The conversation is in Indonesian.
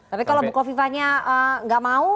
tapi kalau bukovifahnya nggak mau